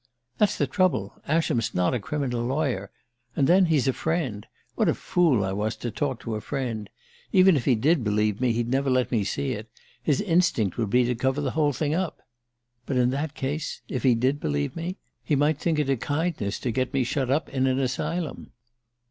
"That's the trouble Ascham's not a criminal lawyer. And then he's a friend. What a fool I was to talk to a friend! Even if he did believe me, he'd never let me see it his instinct would be to cover the whole thing up... But in that case if he did believe me he might think it a kindness to get me shut up in an asylum..."